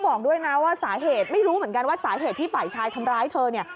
บอกด้วยนะว่าสาเหตุไม่รู้เหมือนกันว่าสาเหตุที่ฝ่ายชายทำร้ายเธอเนี่ย